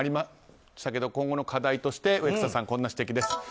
今後の課題として植草さんこんな指摘です。